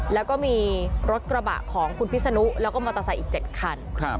แล้วก็มีรถกระบะของคุณพิษนุแล้วก็มอเตอร์ไซค์อีก๗คัน